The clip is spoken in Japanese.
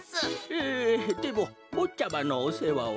ええでもぼっちゃまのおせわは？